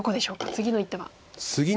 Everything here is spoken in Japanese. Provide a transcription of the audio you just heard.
次の一手。